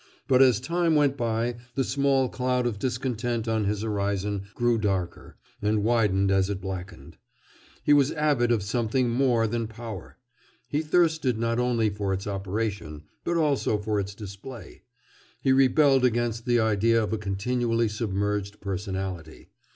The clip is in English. But as time went by the small cloud of discontent on his horizon grew darker, and widened as it blackened. He was avid of something more than power. He thirsted not only for its operation, but also for its display. He rebelled against the idea of a continually submerged personality.